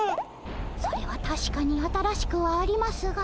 それはたしかに新しくはありますが。